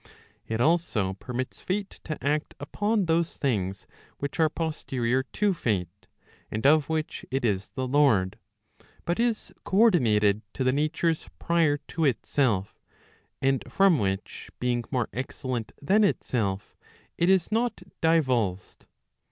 It also permits Fate to act upon those things which are posterior to Fate, and of which it is the lord; but is co ordinated to the natures prior to itself, and from which being more excellent than itself, it is not divulsed.